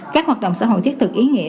các hoạt động xã hội thiết thực ý nghĩa